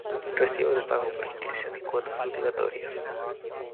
Recibo de pago por Inscripción y cuotas obligatorias.